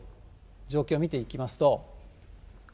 状況を見ていきますと。